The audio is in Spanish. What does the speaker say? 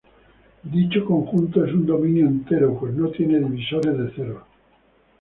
Dicho conjunto es un dominio entero, pues no tiene divisores de cero.